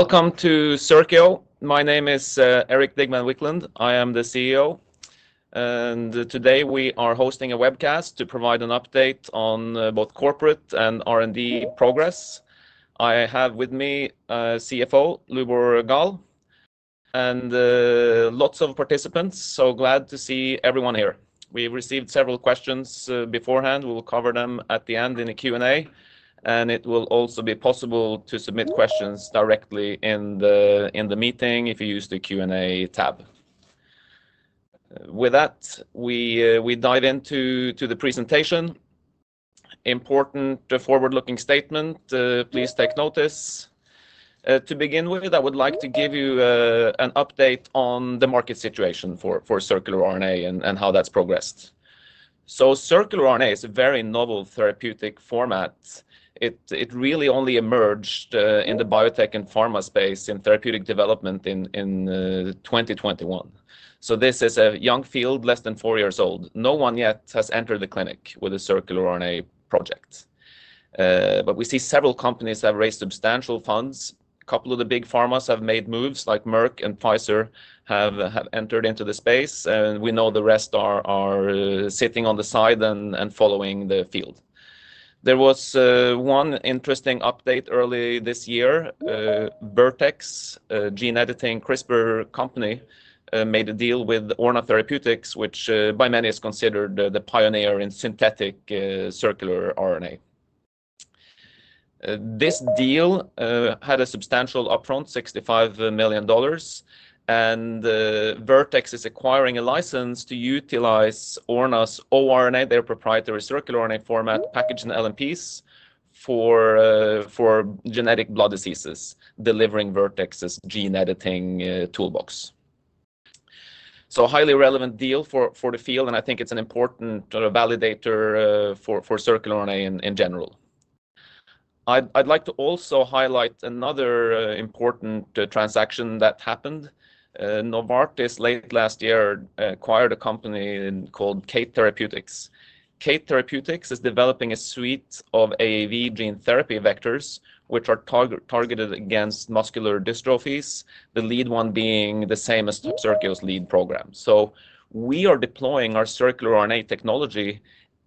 Welcome to Circio. My name is Erik Digman Wiklund. I am the CEO, and today we are hosting a webcast to provide an update on both corporate and R&D progress. I have with me CFO Lubor Gaal and lots of participants, so glad to see everyone here. We received several questions beforehand. We will cover them at the end in the Q&A, and it will also be possible to submit questions directly in the meeting if you use the Q&A tab. With that, we dive into the presentation. Important forward-looking statement. Please take notice. To begin with, I would like to give you an update on the market situation for circular RNA and how that's progressed. circular RNA is a very novel therapeutic format. It really only emerged in the biotech and pharma space in therapeutic development in 2021. This is a young field, less than four years old. No one yet has entered the clinic with a circular RNA project, but we see several companies have raised substantial funds. A couple of the big pharmas have made moves, like Merck and Pfizer have entered into the space, and we know the rest are sitting on the side and following the field. There was one interesting update early this year. Vertex, a gene editing CRISPR company, made a deal with Orna Therapeutics, which by many is considered the pioneer in synthetic circular RNA. This deal had a substantial upfront, $65 million, and Vertex is acquiring a license to utilize Orna's oRNA, their proprietary circular RNA format packaged in LNPs, for genetic blood diseases, delivering Vertex's gene editing toolbox. A highly relevant deal for the field, and I think it's an important validator for circular RNA in general. I'd like to also highlight another important transaction that happened. Novartis, late last year, acquired a company called Kate Therapeutics. Kate Therapeutics is developing a suite of AAV gene therapy vectors, which are targeted against muscular dystrophies, the lead one being the same as Circio's lead program. We are deploying our circular RNA technology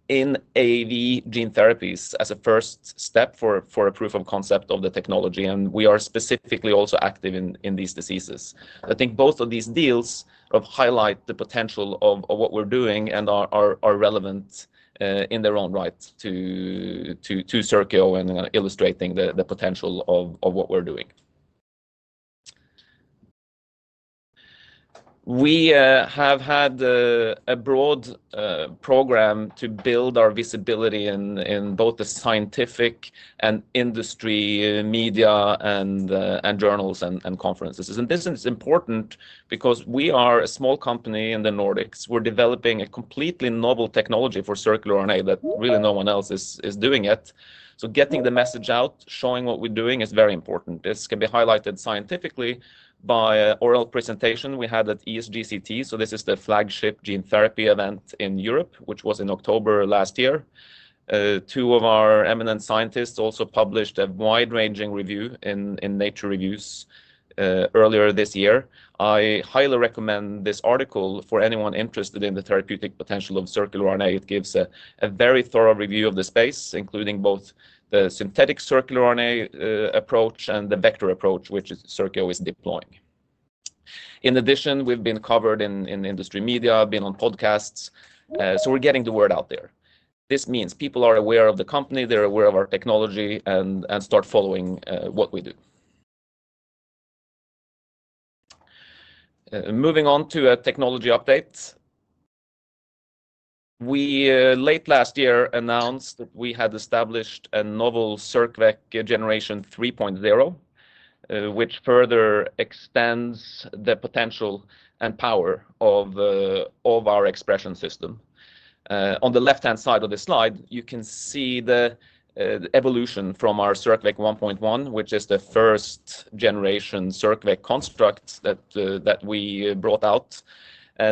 in AAV gene therapies as a first step for a proof of concept of the technology, and we are specifically also active in these diseases. I think both of these deals sort of highlight the potential of what we're doing and are relevant in their own right to Circio and illustrating the potential of what we're doing. We have had a broad program to build our visibility in both the scientific and industry media and journals and conferences. This is important because we are a small company in the Nordics. We're developing a completely novel technology for circular RNA that really no one else is doing yet. Getting the message out, showing what we're doing is very important. This can be highlighted scientifically by an oral presentation we had at ESGCT. This is the flagship gene therapy event in Europe, which was in October last year. Two of our eminent scientists also published a wide-ranging review in Nature Reviews earlier this year. I highly recommend this article for anyone interested in the therapeutic potential of circular RNA. It gives a very thorough review of the space, including both the synthetic circular RNA approach and the vector approach, which Circio is deploying. In addition, we've been covered in industry media, been on podcasts, so we're getting the word out there. This means people are aware of the company, they're aware of our technology, and start following what we do. Moving on to a technology update. We late last year announced that we had established a novel circVec Generation 3.0, which further extends the potential and power of our expression system. On the left-hand side of the slide, you can see the evolution from our circVec 1.1, which is the first-generation circVec construct that we brought out.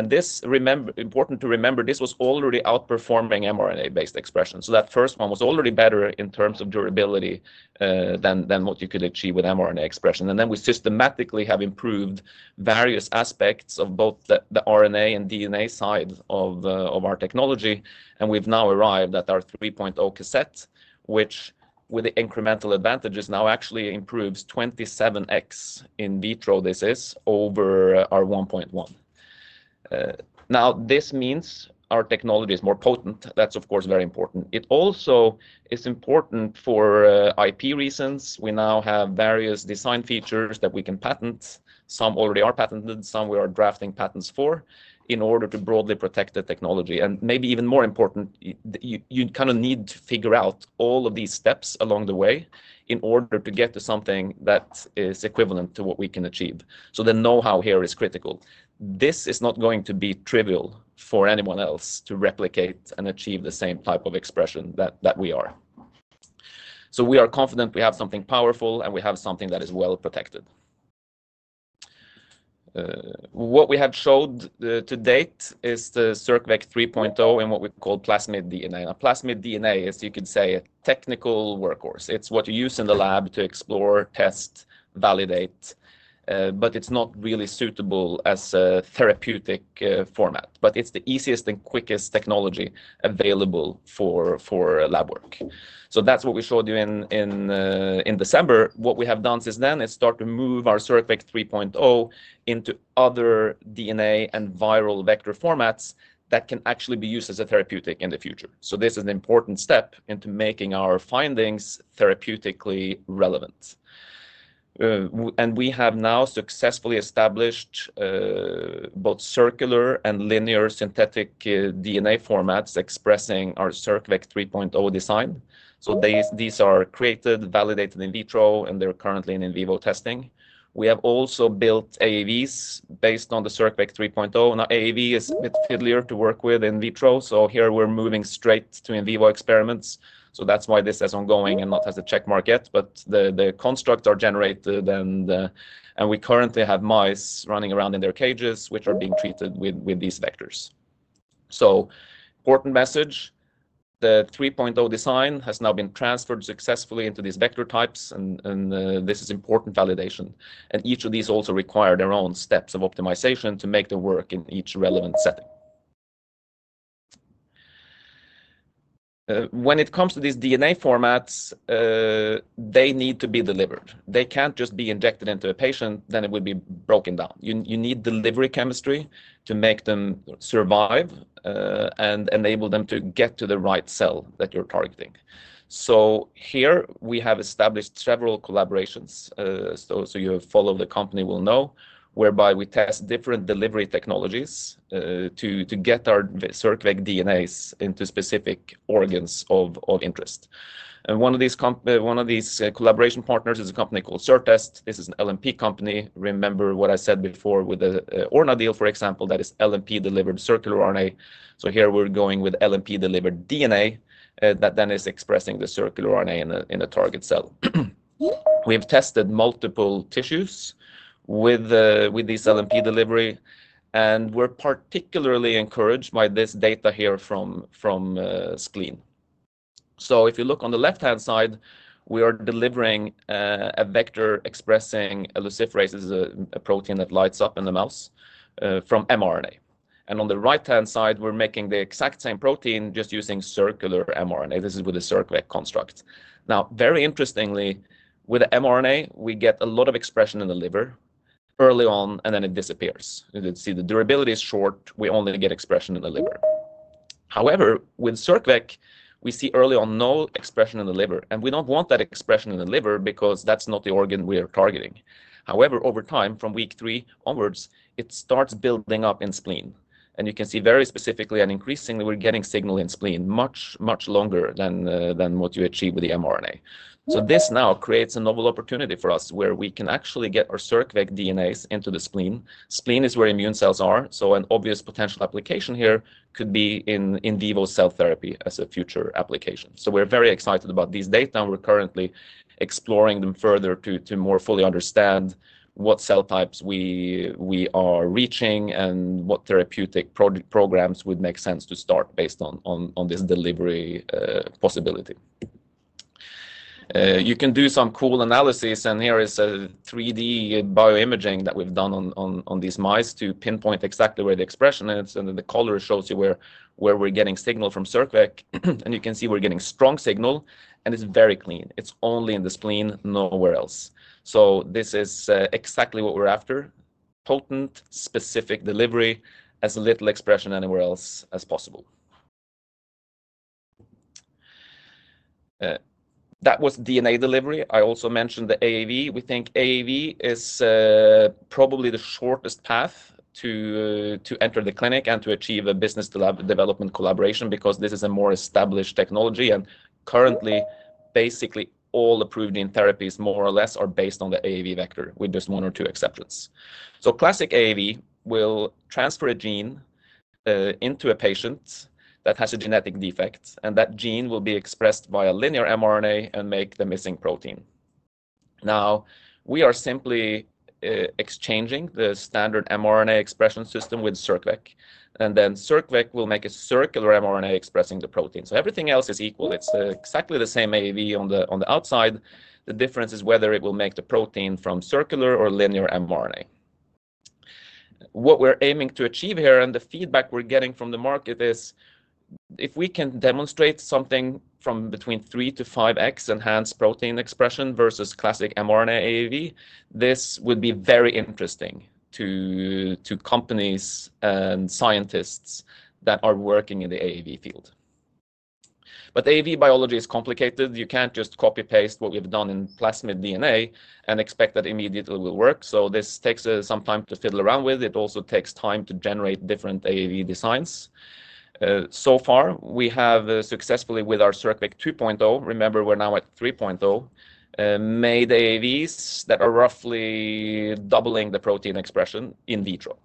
This is important to remember, this was already outperforming mRNA-based expression. That first one was already better in terms of durability than what you could achieve with mRNA expression. We systematically have improved various aspects of both the RNA and DNA side of our technology, and we've now arrived at our 3.0 cassette, which, with the incremental advantages, now actually improves 27x in vitro, this is, over our 1.1. This means our technology is more potent. That's, of course, very important. It also is important for IP reasons. We now have various design features that we can patent. Some already are patented. Some we are drafting patents for in order to broadly protect the technology. Maybe even more important, you kind of need to figure out all of these steps along the way in order to get to something that is equivalent to what we can achieve. The know-how here is critical. This is not going to be trivial for anyone else to replicate and achieve the same type of expression that we are. We are confident we have something powerful and we have something that is well protected. What we have showed to date is the circVec 3.0 and what we call plasmid DNA. Now, plasmid DNA, as you could say, is a technical workhorse. It's what you use in the lab to explore, test, validate, but it's not really suitable as a therapeutic format. It is the easiest and quickest technology available for lab work. That is what we showed you in December. What we have done since then is start to move our circVec 3.0 into other DNA and viral vector formats that can actually be used as a therapeutic in the future. This is an important step into making our findings therapeutically relevant. We have now successfully established both circular and linear synthetic DNA formats expressing our circVec 3.0 design. These are created, validated in vitro, and they are currently in in vivo testing. We have also built AAVs based on the circVec 3.0. Now, AAV is a bit fiddlier to work with in vitro, so here we are moving straight to in vivo experiments. That is why this is ongoing and not as a check mark yet, but the constructs are generated, and we currently have mice running around in their cages, which are being treated with these vectors. Important message, the 3.0 design has now been transferred successfully into these vector types, and this is important validation. Each of these also requires their own steps of optimization to make them work in each relevant setting. When it comes to these DNA formats, they need to be delivered. They cannot just be injected into a patient, then it would be broken down. You need delivery chemistry to make them survive and enable them to get to the right cell that you are targeting. Here we have established several collaborations. Those of you who follow the company will know, whereby we test different delivery technologies to get our circVec DNAs into specific organs of interest. One of these collaboration partners is a company called Certest. This is an LNP company. Remember what I said before with the Orna deal, for example, that is LNP-delivered circular RNA. Here we are going with LNP-delivered DNA that then is expressing the circular RNA in the target cell. We have tested multiple tissues with this LNP delivery, and we are particularly encouraged by this data here from spleen. If you look on the left-hand side, we are delivering a vector expressing a luciferase, a protein that lights up in the mouse, from mRNA. On the right-hand side, we are making the exact same protein just using circular mRNA. This is with the circVec construct. Now, very interestingly, with mRNA, we get a lot of expression in the liver early on, and then it disappears. You can see the durability is short. We only get expression in the liver. However, with circVec, we see early on no expression in the liver, and we do not want that expression in the liver because that is not the organ we are targeting. However, over time, from week three onwards, it starts building up in spleen. You can see very specifically and increasingly we are getting signal in spleen, much, much longer than what you achieve with the mRNA. This now creates a novel opportunity for us where we can actually get our CircVec DNAs into the spleen. Spleen is where immune cells are, so an obvious potential application here could be in vivo cell therapy as a future application. We are very excited about these data, and we are currently exploring them further to more fully understand what cell types we are reaching and what therapeutic programs would make sense to start based on this delivery possibility. You can do some cool analysis, and here is a 3D bioimaging that we have done on these mice to pinpoint exactly where the expression is, and the color shows you where we are getting signal from circVec. You can see we are getting strong signal, and it is very clean. It is only in the spleen, nowhere else. This is exactly what we are after: potent, specific delivery with as little expression anywhere else as possible. That was DNA delivery. I also mentioned the AAV. We think AAV is probably the shortest path to enter the clinic and to achieve a business development collaboration because this is a more established technology. Currently, basically all approved gene therapies, more or less, are based on the AAV vector with just one or two exceptions. Classic AAV will transfer a gene into a patient that has a genetic defect, and that gene will be expressed via linear mRNA and make the missing protein. Now, we are simply exchanging the standard mRNA expression system with circVec, and then circVec will make a circular mRNA expressing the protein. Everything else is equal. It is exactly the same AAV on the outside. The difference is whether it will make the protein from circular or linear mRNA. What we are aiming to achieve here, and the feedback we are getting from the market, is if we can demonstrate something from between 3x-5x enhanced protein expression versus classic mRNA AAV, this would be very interesting to companies and scientists that are working in the AAV field. AAV biology is complicated. You can't just copy-paste what we've done in plasmid DNA and expect that immediately it will work. This takes some time to fiddle around with. It also takes time to generate different AAV designs. So far, we have successfully, with our circVec 2.0—remember, we're now at 3.0—made AAVs that are roughly doubling the protein expression in vitro.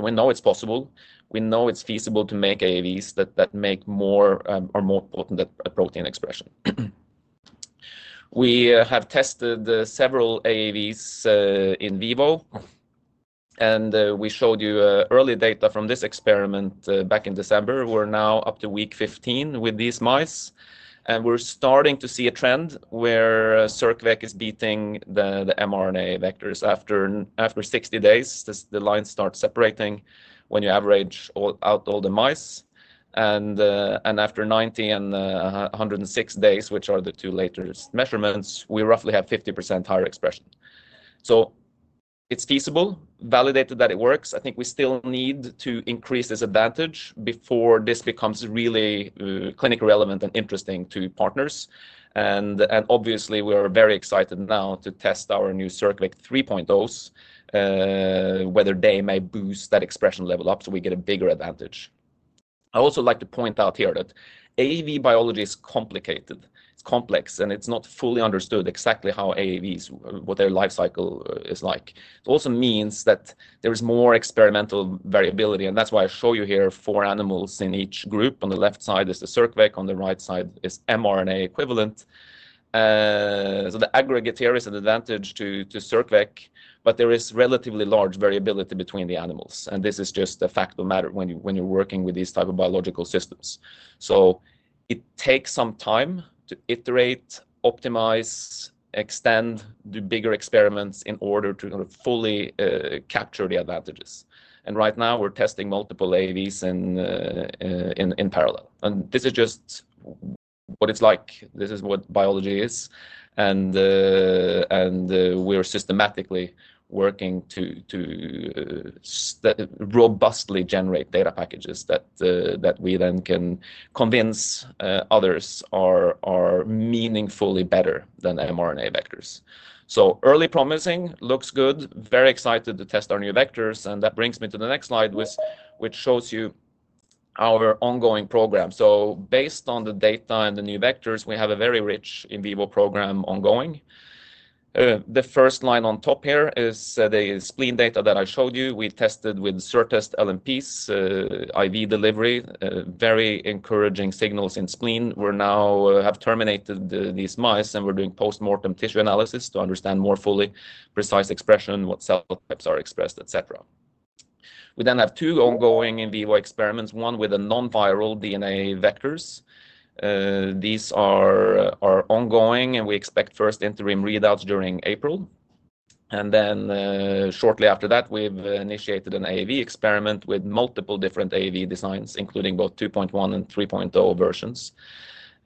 We know it's possible. We know it's feasible to make AAVs that make more or more potent than a protein expression. We have tested several AAVs in vivo, and we showed you early data from this experiment back in December. We're now up to week 15 with these mice, and we're starting to see a trend where circVec is beating the mRNA vectors. After 60 days, the lines start separating when you average out all the mice. After 90 and 106 days, which are the two latest measurements, we roughly have 50% higher expression. It is feasible, validated that it works. I think we still need to increase this advantage before this becomes really clinically relevant and interesting to partners. Obviously, we are very excited now to test our new circVec 3.0s, whether they may boost that expression level up so we get a bigger advantage. I would also like to point out here that AAV biology is complicated. It is complex, and it is not fully understood exactly how AAVs, what their life cycle is like. It also means that there is more experimental variability, and that is why I show you here four animals in each group. On the left side is the circVec. On the right side is mRNA equivalent. The aggregate here is an advantage to circVec, but there is relatively large variability between the animals. This is just a fact of matter when you're working with these types of biological systems. It takes some time to iterate, optimize, extend, do bigger experiments in order to fully capture the advantages. Right now, we're testing multiple AAVs in parallel. This is just what it's like. This is what biology is. We're systematically working to robustly generate data packages that we then can convince others are meaningfully better than mRNA vectors. Early promising looks good. Very excited to test our new vectors. That brings me to the next slide, which shows you our ongoing program. Based on the data and the new vectors, we have a very rich in vivo program ongoing. The first line on top here is the spleen data that I showed you. We tested with Certest LNPs, IV delivery, very encouraging signals in spleen. We now have terminated these mice, and we're doing post-mortem tissue analysis to understand more fully precise expression, what cell types are expressed, etc. We then have two ongoing in vivo experiments, one with the non-viral DNA vectors. These are ongoing, and we expect first interim readouts during April. Shortly after that, we've initiated an AAV experiment with multiple different AAV designs, including both 2.1 and 3.0 versions,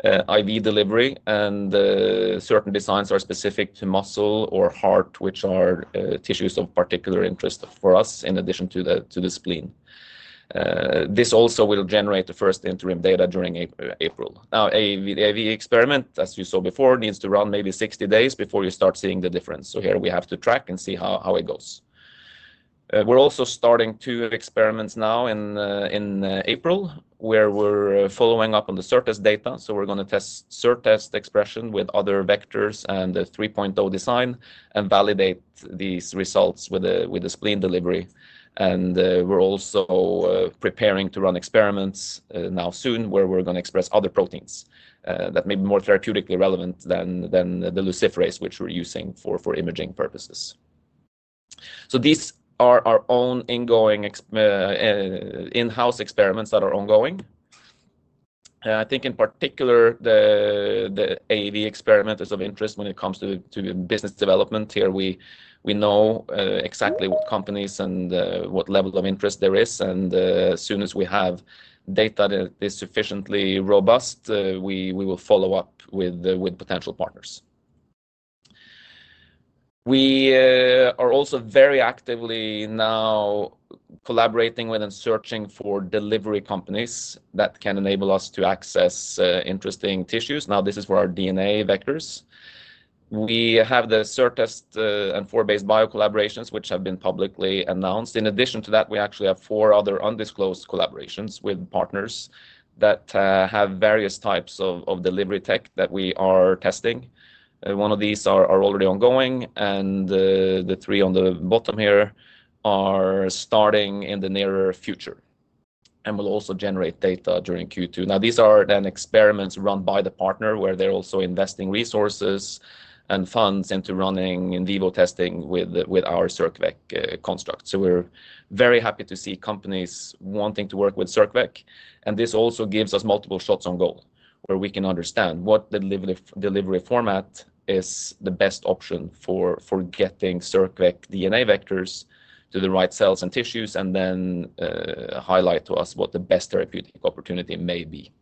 IV delivery. Certain designs are specific to muscle or heart, which are tissues of particular interest for us in addition to the spleen. This also will generate the first interim data during April. Now, the AAV experiment, as you saw before, needs to run maybe 60 days before you start seeing the difference. Here we have to track and see how it goes. We're also starting two experiments now in April where we're following up on the Certest data. We're going to test Certest expression with other vectors and the 3.0 design and validate these results with the spleen delivery. We're also preparing to run experiments now soon where we're going to express other proteins that may be more therapeutically relevant than the luciferase, which we're using for imaging purposes. These are our own in-house experiments that are ongoing. I think in particular, the AAV experiment is of interest when it comes to business development. Here we know exactly what companies and what level of interest there is. As soon as we have data that is sufficiently robust, we will follow up with potential partners. We are also very actively now collaborating with and searching for delivery companies that can enable us to access interesting tissues. Now, this is for our DNA vectors. We have the Certest and 4basebio collaborations, which have been publicly announced. In addition to that, we actually have four other undisclosed collaborations with partners that have various types of delivery tech that we are testing. One of these is already ongoing, and the three on the bottom here are starting in the near future and will also generate data during Q2. Now, these are then experiments run by the partner where they're also investing resources and funds into running in vivo testing with our circVec construct. We are very happy to see companies wanting to work with circVec. This also gives us multiple shots on goal where we can understand what the delivery format is the best option for getting circVec DNA vectors to the right cells and tissues and then highlight to us what the best therapeutic opportunity may be.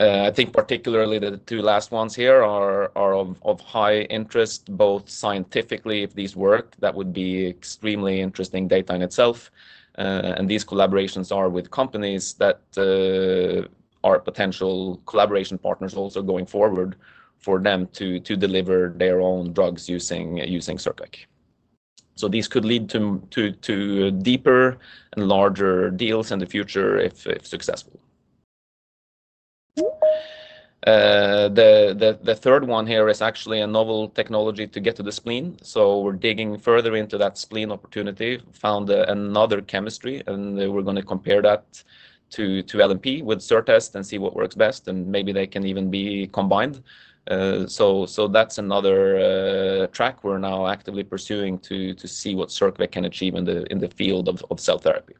I think particularly the two last ones here are of high interest, both scientifically, if these work. That would be extremely interesting data in itself. These collaborations are with companies that are potential collaboration partners also going forward for them to deliver their own drugs using circVec. These could lead to deeper and larger deals in the future if successful. The third one here is actually a novel technology to get to the spleen. We're digging further into that spleen opportunity, found another chemistry, and we're going to compare that to LNP with Certest and see what works best, and maybe they can even be combined. That's another track we're now actively pursuing to see what circVec can achieve in the field of cell therapy.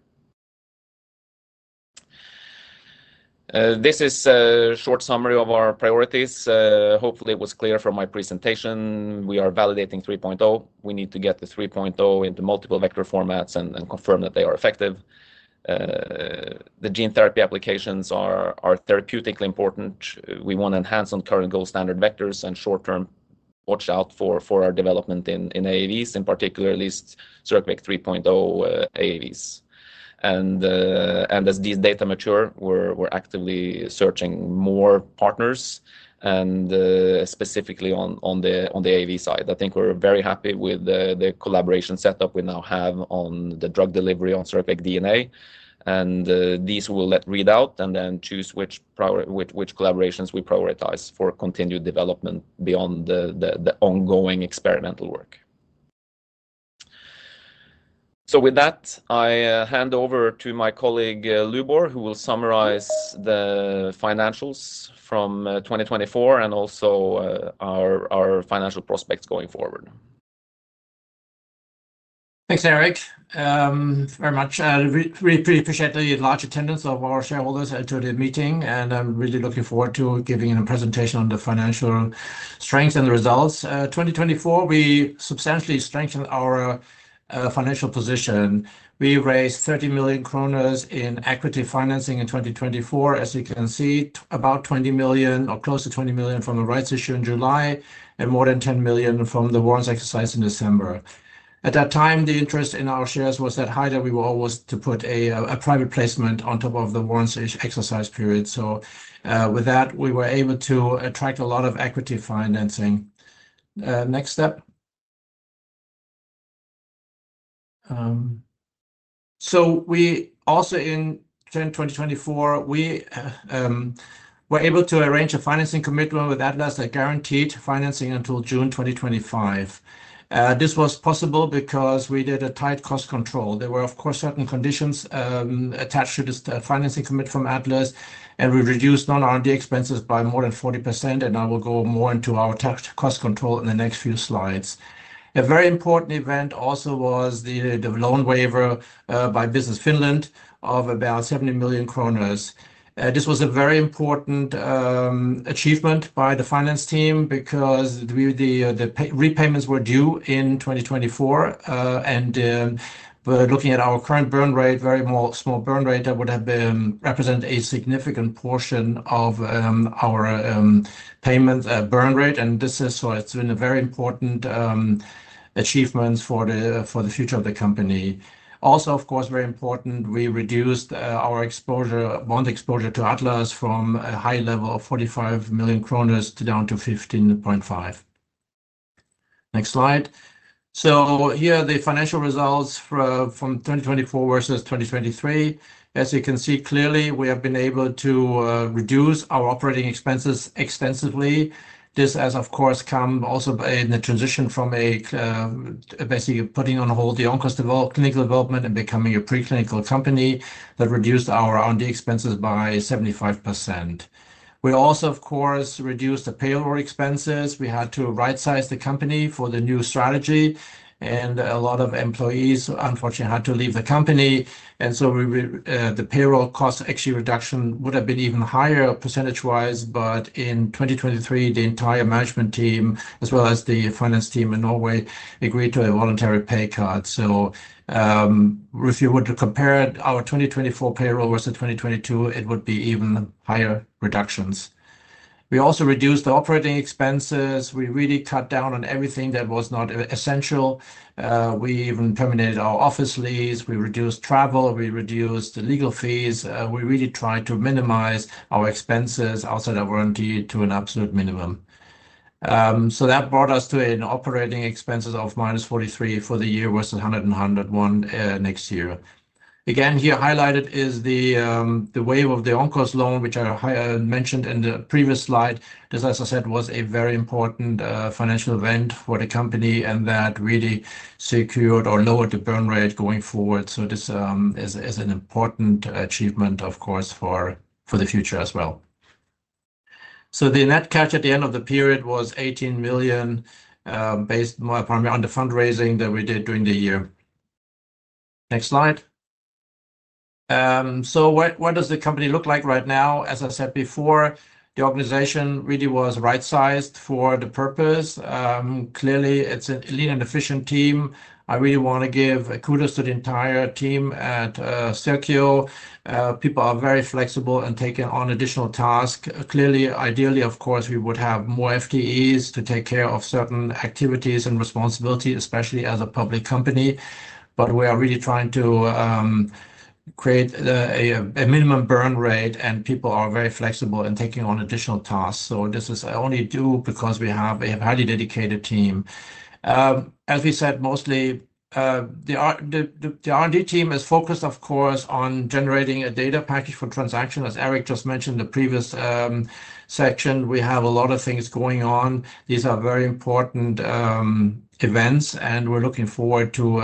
This is a short summary of our priorities. Hopefully, it was clear from my presentation. We are validating 3.0. We need to get the 3.0 into multiple vector formats and confirm that they are effective. The gene therapy applications are therapeutically important. We want to enhance on current gold standard vectors and short-term watch out for our development in AAVs, in particular at least circVec 3.0 AAVs. As these data mature, we're actively searching more partners, specifically on the AAV side. I think we're very happy with the collaboration setup we now have on the drug delivery on circVec DNA. These will let readout and then choose which collaborations we prioritize for continued development beyond the ongoing experimental work. With that, I hand over to my colleague Lubor, who will summarize the financials from 2024 and also our financial prospects going forward. Thanks, Erik, very much. I really appreciate the large attendance of our shareholders to the meeting, and I'm really looking forward to giving a presentation on the financial strengths and the results. In 2024, we substantially strengthened our financial position. We raised 30 million kroner in equity financing in 2024, as you can see, about 20 million or close to 20 million from the rights issue in July and more than 10 million from the warrants exercise in December. At that time, the interest in our shares was that high that we were always to put a private placement on top of the warrants exercise period. With that, we were able to attract a lot of equity financing. Next step. In 2024, we were able to arrange a financing commitment with Atlas that guaranteed financing until June 2025. This was possible because we did a tight cost control. There were, of course, certain conditions attached to this financing commit from Atlas, and we reduced non-R&D expenses by more than 40%. I will go more into our cost control in the next few slides. A very important event also was the loan waiver by Business Finland of about 70 million kroner. This was a very important achievement by the finance team because the repayments were due in 2024. Looking at our current burn rate, very small burn rate, that would have represented a significant portion of our payment burn rate. This has been a very important achievement for the future of the company. Also, of course, very important, we reduced our bond exposure to Atlas from a high level of 45 million kroner down to 15.5 million. Next slide. Here are the financial results from 2024 versus 2023. As you can see clearly, we have been able to reduce our operating expenses extensively. This has, of course, come also in the transition from basically putting on hold the Oncos clinical development and becoming a preclinical company that reduced our R&D expenses by 75%. We also, of course, reduced the payroll expenses. We had to right-size the company for the new strategy, and a lot of employees, unfortunately, had to leave the company. The payroll cost actually reduction would have been even higher percentage-wise. In 2023, the entire management team, as well as the finance team in Norway, agreed to a voluntary pay cut. If you were to compare our 2024 payroll versus 2022, it would be even higher reductions. We also reduced the operating expenses. We really cut down on everything that was not essential. We even terminated our office lease. We reduced travel. We reduced the legal fees. We really tried to minimize our expenses outside of R&D to an absolute minimum. That brought us to operating expenses of -43 million for the year versus 100 million and 101 million next year. Here highlighted is the waiver of the Oncos loan, which I mentioned in the previous slide. This, as I said, was a very important financial event for the company, and that really secured or lowered the burn rate going forward. This is an important achievement, of course, for the future as well. The net cash at the end of the period was 18 million based on the fundraising that we did during the year. Next slide. What does the company look like right now? As I said before, the organization really was right-sized for the purpose. Clearly, it's a lean and efficient team. I really want to give kudos to the entire team at Circio. People are very flexible and taking on additional tasks. Clearly, ideally, of course, we would have more FTEs to take care of certain activities and responsibilities, especially as a public company. We are really trying to create a minimum burn rate, and people are very flexible and taking on additional tasks. This is only due because we have a highly dedicated team. As we said, mostly the R&D team is focused, of course, on generating a data package for transaction. As Erik just mentioned in the previous section, we have a lot of things going on. These are very important events, and we're looking forward to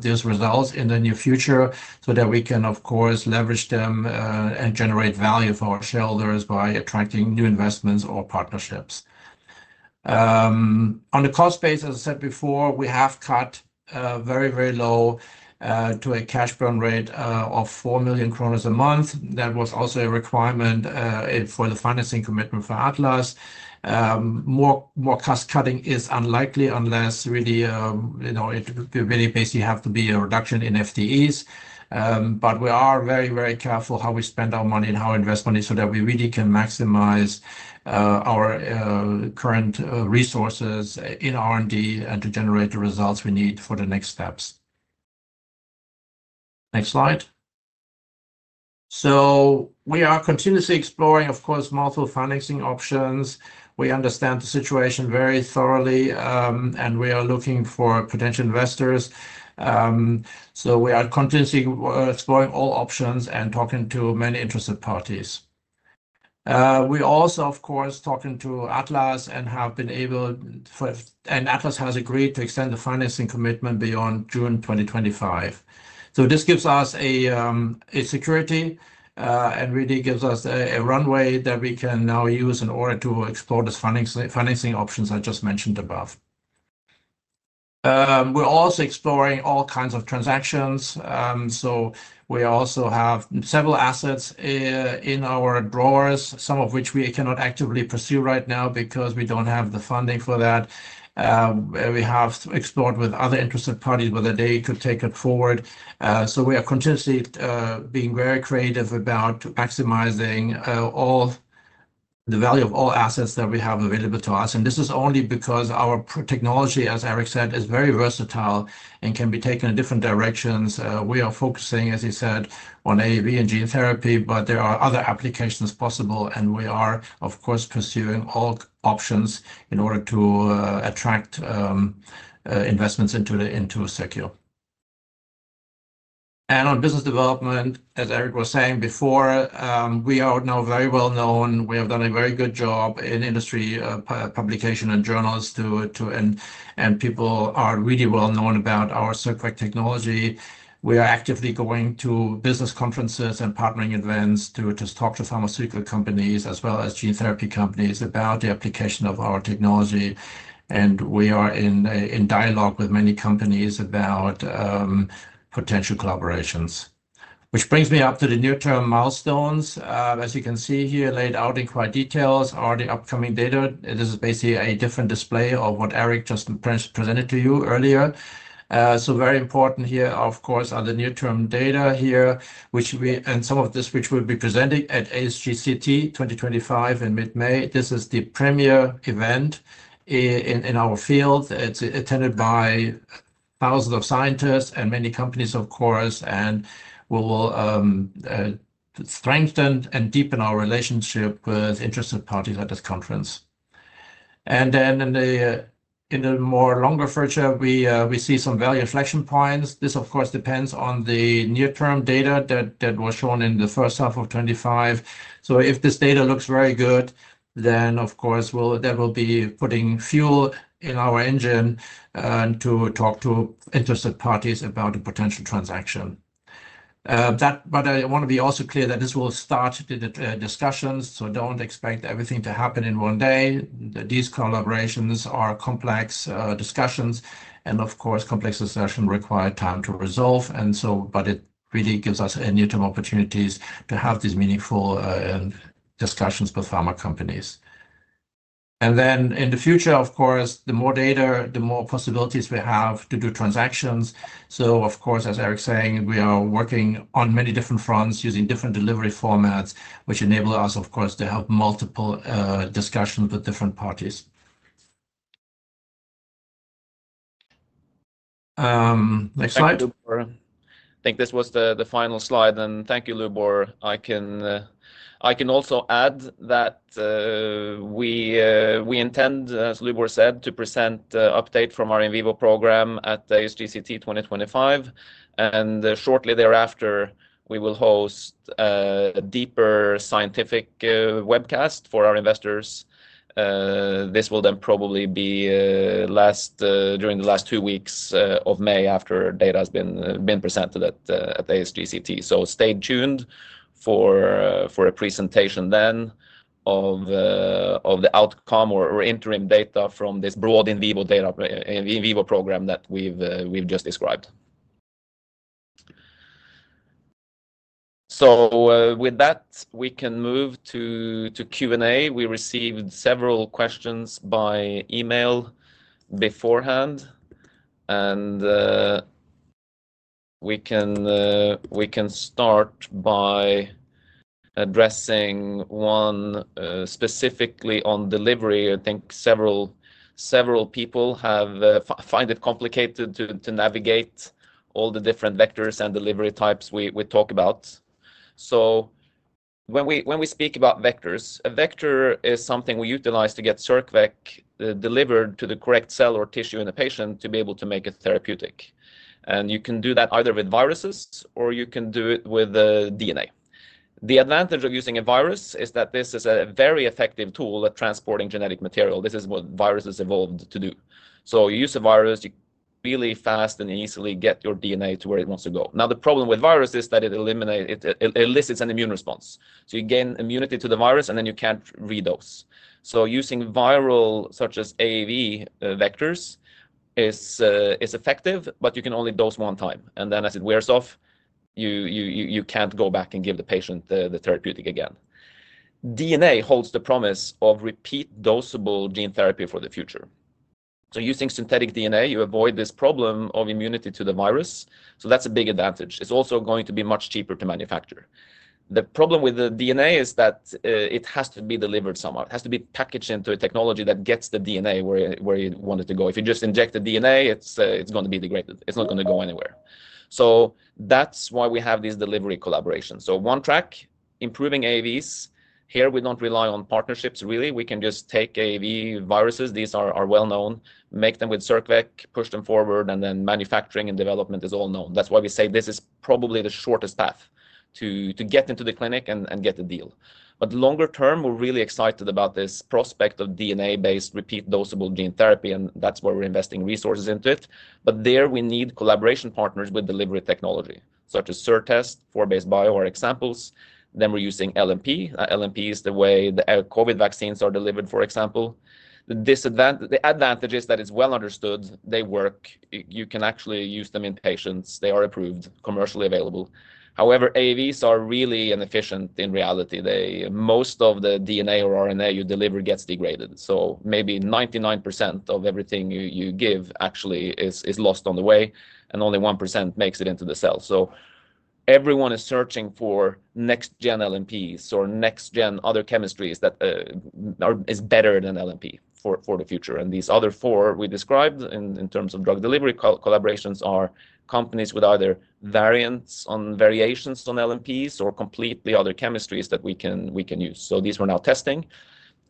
these results in the near future so that we can, of course, leverage them and generate value for our shareholders by attracting new investments or partnerships. On the cost base, as I said before, we have cut very, very low to a cash burn rate of 4 million a month. That was also a requirement for the financing commitment for Atlas. More cost cutting is unlikely unless it really basically has to be a reduction in FTEs. We are very, very careful how we spend our money and how we invest money so that we really can maximize our current resources in R&D and to generate the results we need for the next steps. Next slide. We are continuously exploring, of course, multiple financing options. We understand the situation very thoroughly, and we are looking for potential investors. We are continuously exploring all options and talking to many interested parties. We also, of course, talked to Atlas and have been able, and Atlas has agreed to extend the financing commitment beyond June 2025. This gives us a security and really gives us a runway that we can now use in order to explore these financing options I just mentioned above. We are also exploring all kinds of transactions. We also have several assets in our drawers, some of which we cannot actively pursue right now because we do not have the funding for that. We have explored with other interested parties whether they could take it forward. We are continuously being very creative about maximizing the value of all assets that we have available to us. This is only because our technology, as Erik said, is very versatile and can be taken in different directions. We are focusing, as he said, on AAV and gene therapy, but there are other applications possible. We are, of course, pursuing all options in order to attract investments into Circio. On business development, as Erik was saying before, we are now very well known. We have done a very good job in industry publication and journals too, and people are really well known about our CircVec technology. We are actively going to business conferences and partnering events to talk to pharmaceutical companies as well as gene therapy companies about the application of our technology. We are in dialogue with many companies about potential collaborations. Which brings me up to the near-term milestones. As you can see here, laid out in quite detail are the upcoming data. This is basically a different display of what Erik just presented to you earlier. Very important here, of course, are the near-term data here, which we and some of this which we'll be presenting at ASGCT 2025 in mid-May. This is the premier event in our field. It's attended by thousands of scientists and many companies, of course, and will strengthen and deepen our relationship with interested parties at this conference. In the more longer future, we see some value inflection points. This, of course, depends on the near-term data that was shown in the first half of 2025. If this data looks very good, then, of course, that will be putting fuel in our engine to talk to interested parties about a potential transaction. I want to be also clear that this will start discussions, so don't expect everything to happen in one day. These collaborations are complex discussions, and of course, complex discussions require time to resolve. It really gives us a near-term opportunities to have these meaningful discussions with pharma companies. In the future, of course, the more data, the more possibilities we have to do transactions. Of course, as Erik's saying, we are working on many different fronts using different delivery formats, which enable us, of course, to have multiple discussions with different parties. Next slide. I think this was the final slide, and thank you, Lubor. I can also add that we intend, as Lubor said, to present an update from our In Vivo program at ASGCT 2025. Shortly thereafter, we will host a deeper scientific webcast for our investors. This will then probably be during the last two weeks of May after data has been presented at ASGCT. Stay tuned for a presentation then of the outcome or interim data from this broad In Vivo program that we've just described. With that, we can move to Q&A. We received several questions by email beforehand, and we can start by addressing one specifically on delivery. I think several people have found it complicated to navigate all the different vectors and delivery types we talk about. When we speak about vectors, a vector is something we utilize to get circVec delivered to the correct cell or tissue in a patient to be able to make it therapeutic. You can do that either with viruses or you can do it with DNA. The advantage of using a virus is that this is a very effective tool at transporting genetic material. This is what viruses evolved to do. You use a virus, you really fast and easily get your DNA to where it wants to go. The problem with viruses is that it elicits an immune response. You gain immunity to the virus, and then you can't re-dose. Using viral such as AAV vectors is effective, but you can only dose one time. As it wears off, you can't go back and give the patient the therapeutic again. DNA holds the promise of repeat dosable gene therapy for the future. Using synthetic DNA, you avoid this problem of immunity to the virus. That is a big advantage. It is also going to be much cheaper to manufacture. The problem with the DNA is that it has to be delivered somehow. It has to be packaged into a technology that gets the DNA where you want it to go. If you just inject the DNA, it is going to be degraded. It is not going to go anywhere. That is why we have these delivery collaborations. One track is improving AAVs. Here, we do not rely on partnerships, really. We can just take AAV viruses, these are well-known, make them with circVec, push them forward, and then manufacturing and development is all known. That is why we say this is probably the shortest path to get into the clinic and get the deal. Longer term, we're really excited about this prospect of DNA-based repeat dosable gene therapy, and that's where we're investing resources into it. There we need collaboration partners with delivery technology, such as Certest, 4basebio are examples. We're using LNP. LNP is the way the COVID vaccines are delivered, for example. The advantage is that it's well understood. They work. You can actually use them in patients. They are approved, commercially available. However, AAVs are really inefficient in reality. Most of the DNA or RNA you deliver gets degraded. Maybe 99% of everything you give actually is lost on the way, and only 1% makes it into the cell. Everyone is searching for next-gen LNPs or next-gen other chemistries that are better than LNP for the future. These other four we described in terms of drug delivery collaborations are companies with either variants on or variations on LNPs or completely other chemistries that we can use. These we are now testing,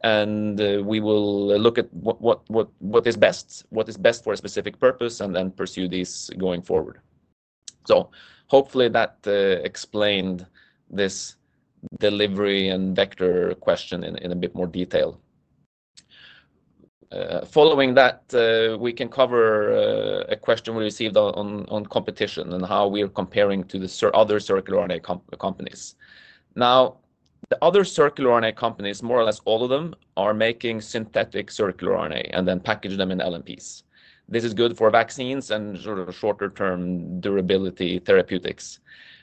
and we will look at what is best, what is best for a specific purpose, and then pursue these going forward. Hopefully that explained this delivery and vector question in a bit more detail. Following that, we can cover a question we received on competition and how we are comparing to the other circular RNA companies. Now, the other circular RNA companies, more or less all of them, are making synthetic circular RNA and then package them in LNPs. This is good for vaccines and sort of shorter-term durability therapeutics.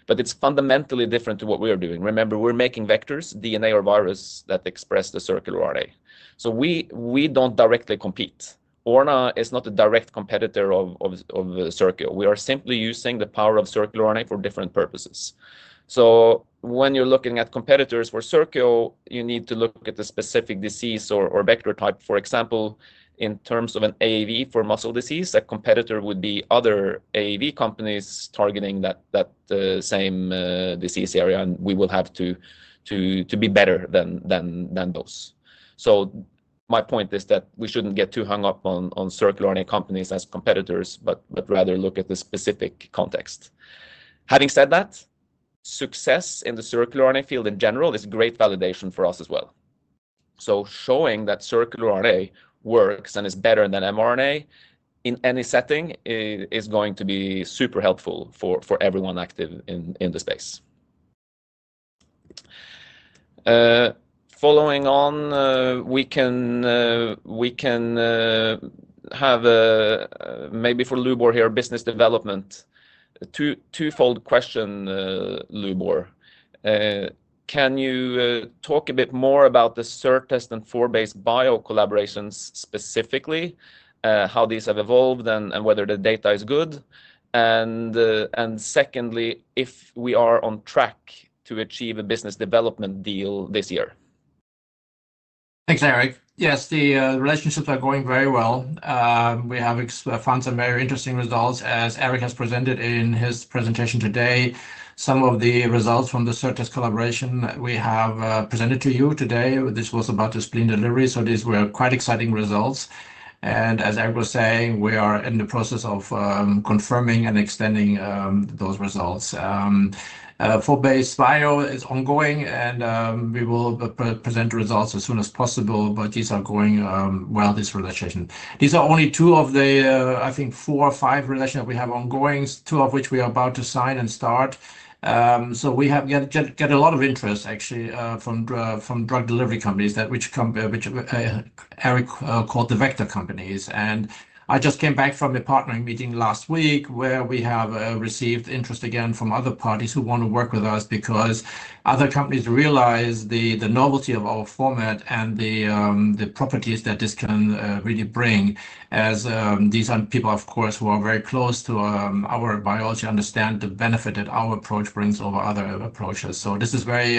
It is fundamentally different to what we are doing. Remember, we are making vectors, DNA or virus that express the circular RNA. We do not directly compete. Orna is not a direct competitor of Circio. We are simply using the power of circular RNA for different purposes. When you're looking at competitors for Circio, you need to look at the specific disease or vector type. For example, in terms of an AAV for muscle disease, a competitor would be other AAV companies targeting that same disease area, and we will have to be better than those. My point is that we shouldn't get too hung up on circular RNA companies as competitors, but rather look at the specific context. Having said that, success in the circular RNA field in general is great validation for us as well. Showing that circular RNA works and is better than mRNA in any setting is going to be super helpful for everyone active in the space. Following on, we can have maybe for Lubor here, business development, twofold question, Lubor. Can you talk a bit more about the Certest and 4basebio collaborations specifically, how these have evolved and whether the data is good? Secondly, if we are on track to achieve a business development deal this year. Thanks, Erik. Yes, the relationships are going very well. We have found some very interesting results, as Erik has presented in his presentation today. Some of the results from the Certest collaboration we have presented to you today, this was about the spleen delivery, so these were quite exciting results. As Erik was saying, we are in the process of confirming and extending those results. 4basebio is ongoing, and we will present results as soon as possible, but these are going well, this relationship. These are only two of the, I think, four or five relations that we have ongoing, two of which we are about to sign and start. We have got a lot of interest, actually, from drug delivery companies that Erik called the vector companies. I just came back from a partnering meeting last week where we have received interest again from other parties who want to work with us because other companies realize the novelty of our format and the properties that this can really bring. These are people, of course, who are very close to our biology and understand the benefit that our approach brings over other approaches. This is very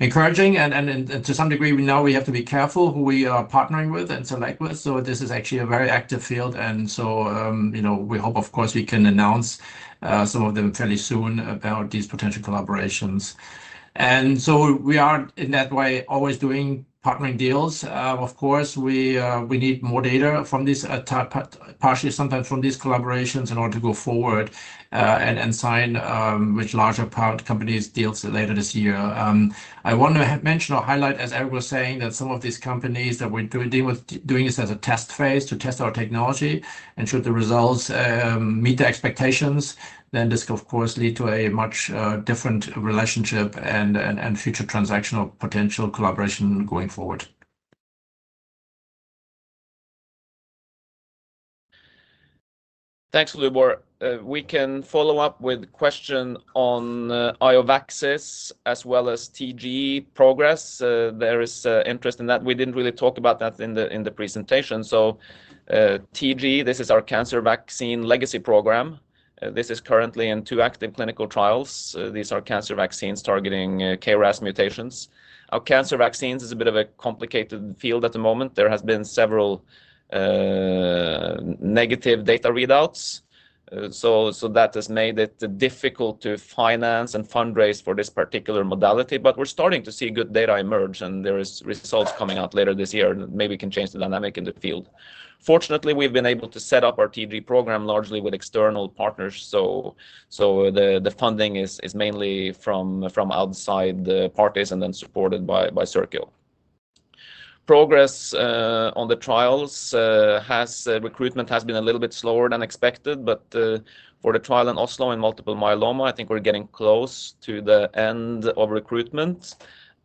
encouraging. To some degree, we know we have to be careful who we are partnering with and select with. This is actually a very active field. We hope, of course, we can announce some of them fairly soon about these potential collaborations. We are in that way always doing partnering deals. Of course, we need more data from these parties, sometimes from these collaborations in order to go forward and sign with larger companies deals later this year. I want to mention or highlight, as Erik was saying, that some of these companies that we're doing this as a test phase to test our technology, and should the results meet the expectations, then this, of course, leads to a much different relationship and future transactional potential collaboration going forward. Thanks, Lubor. We can follow up with a question on IOVaxis as well as TG progress. There is interest in that. We did not really talk about that in the presentation. TG, this is our cancer vaccine legacy program. This is currently in two active clinical trials. These are cancer vaccines targeting KRAS mutations. Our cancer vaccines is a bit of a complicated field at the moment. There have been several negative data readouts. That has made it difficult to finance and fundraise for this particular modality. We are starting to see good data emerge, and there are results coming out later this year. Maybe we can change the dynamic in the field. Fortunately, we have been able to set up our TG program largely with external partners. The funding is mainly from outside parties and then supported by Circio. Progress on the trials has recruitment has been a little bit slower than expected, but for the trial in Oslo and multiple myeloma, I think we're getting close to the end of recruitment.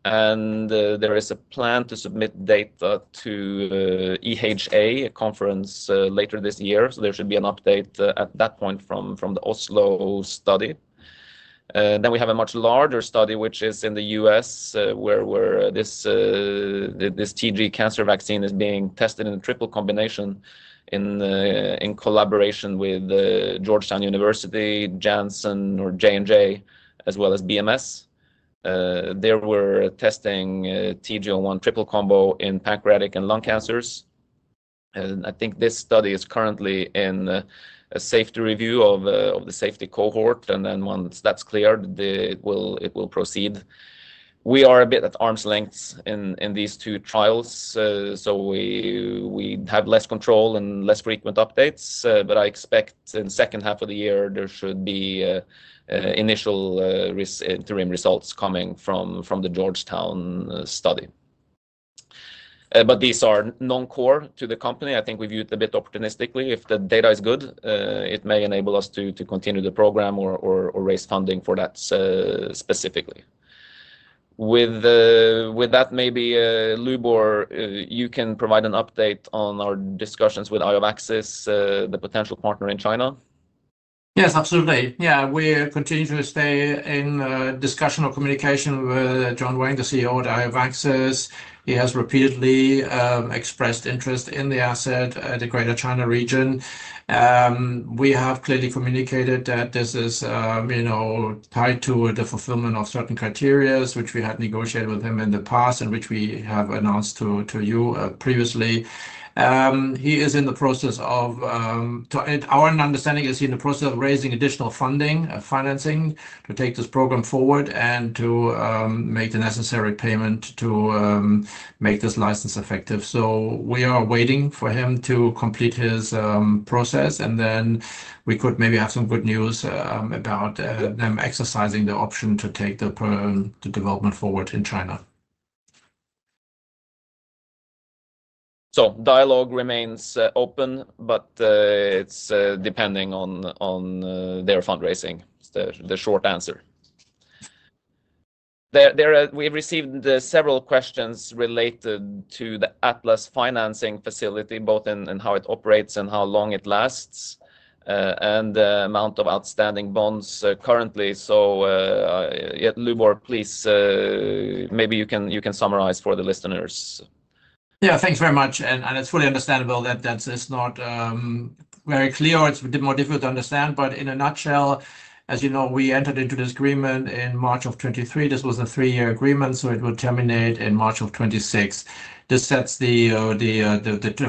There is a plan to submit data to EHA, a conference later this year. There should be an update at that point from the Oslo study. We have a much larger study, which is in the US, where this TG cancer vaccine is being tested in a triple combination in collaboration with Georgetown University, Janssen, or J&J, as well as BMS. They were testing TG on one triple combo in pancreatic and lung cancers. I think this study is currently in a safety review of the safety cohort. Once that's cleared, it will proceed. We are a bit at arm's length in these two trials. We have less control and less frequent updates. I expect in the second half of the year, there should be initial interim results coming from the Georgetown study. These are non-core to the company. I think we view it a bit opportunistically. If the data is good, it may enable us to continue the program or raise funding for that specifically. With that, maybe Lubor, you can provide an update on our discussions with IOVaxis, the potential partner in China. Yes, absolutely. Yeah, we continue to stay in discussion or communication with John Wang, the CEO at IOVaxis. He has repeatedly expressed interest in the asset at the Greater China region. We have clearly communicated that this is tied to the fulfillment of certain criteria, which we had negotiated with him in the past and which we have announced to you previously. He is in the process of, our understanding, is he in the process of raising additional funding, financing to take this program forward and to make the necessary payment to make this license effective. We are waiting for him to complete his process, and then we could maybe have some good news about them exercising the option to take the development forward in China. Dialogue remains open, but it's depending on their fundraising, the short answer. We've received several questions related to the Atlas financing facility, both in how it operates and how long it lasts and the amount of outstanding bonds currently. Lubor, please, maybe you can summarize for the listeners. Yeah, thanks very much. It is fully understandable that that is not very clear. It is a bit more difficult to understand. In a nutshell, as you know, we entered into this agreement in March of 2023. This was a three-year agreement, so it would terminate in March of 2026. This sets the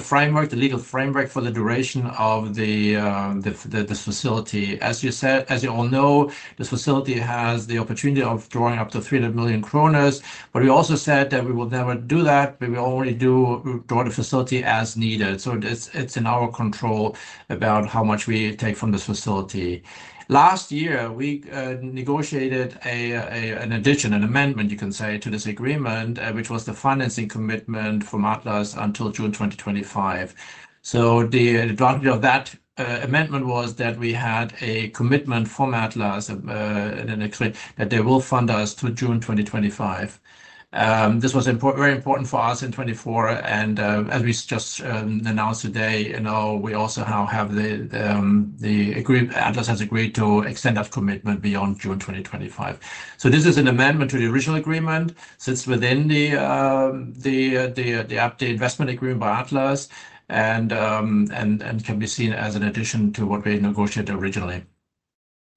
framework, the legal framework for the duration of this facility. As you said, as you all know, this facility has the opportunity of drawing up to 300 million kroner. We also said that we will never do that. We will only draw the facility as needed. It is in our control how much we take from this facility. Last year, we negotiated an addition, an amendment, you can say, to this agreement, which was the financing commitment from Atlas until June 2025. The advantage of that amendment was that we had a commitment from Atlas that they will fund us through June 2025. This was very important for us in 2024. As we just announced today, we also have the agreement, Atlas has agreed to extend that commitment beyond June 2025. This is an amendment to the original agreement. It is within the investment agreement by Atlas and can be seen as an addition to what we negotiated originally.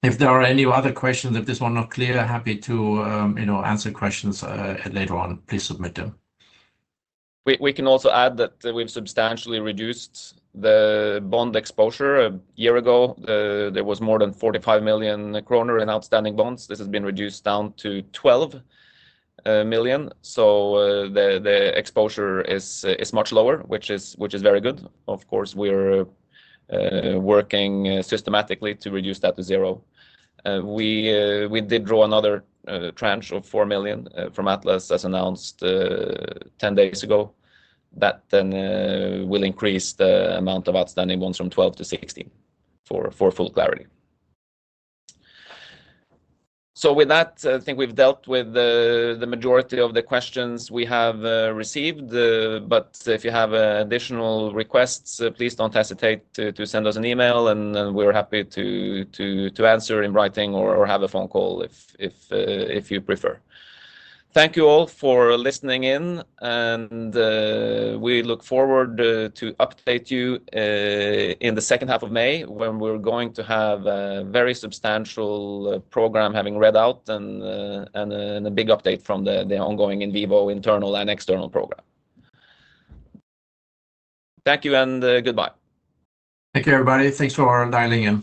If there are any other questions, if this one is not clear, happy to answer questions later on. Please submit them. We can also add that we've substantially reduced the bond exposure. A year ago, there was more than 45 million kroner in outstanding bonds. This has been reduced down to 12 million. The exposure is much lower, which is very good. Of course, we're working systematically to reduce that to zero. We did draw another tranche of 4 million from Atlas, as announced 10 days ago. That will increase the amount of outstanding bonds from 12 million to 16 million for full clarity. With that, I think we've dealt with the majority of the questions we have received. If you have additional requests, please do not hesitate to send us an email, and we're happy to answer in writing or have a phone call if you prefer. Thank you all for listening in. We look forward to updating you in the second half of May when we're going to have a very substantial program having read out and a big update from the ongoing in vivo, internal, and external program. Thank you and goodbye. Thank you, everybody. Thanks for dialing in.